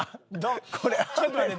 ちょっと待って。